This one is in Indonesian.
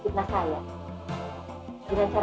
itu ada izinnya